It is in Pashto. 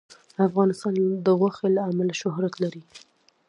افغانستان د غوښې له امله شهرت لري.